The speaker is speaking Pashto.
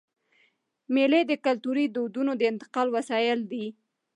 مېلې د کلتوري دودونو د انتقال وسایل دي.